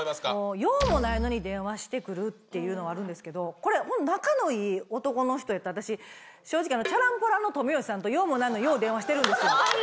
用もないのに電話してくるっていうのあるんですけど、これ、仲のいい男の人やったら、私、正直、ちゃらんぽらんの冨好さんと、用もないのによう電話してるんですよ。